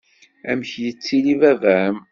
Amek yettili baba-m?